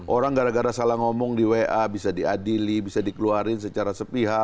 orang gara gara salah ngomong di wa bisa diadili bisa dikeluarin secara sepihak